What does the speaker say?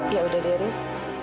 ya udah riz